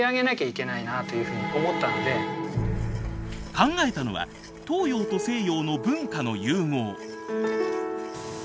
考えたのは東洋と西洋の文化の融合。